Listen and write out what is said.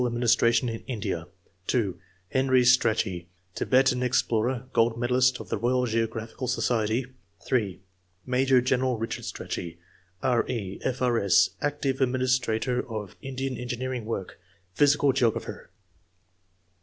administration in India; (2) Henry Strachey, Thibetan explorer, gold medallist of the Royal Geographical Society; (3) Major General Richard Strachey, R.E., F.R.S., active adminis trator of Indian engineering work; physical geographer.